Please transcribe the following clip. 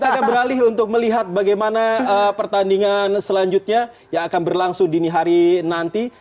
kita akan beralih untuk melihat bagaimana pertandingan selanjutnya yang akan berlangsung dini hari nanti